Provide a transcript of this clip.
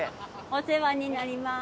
お世話になります。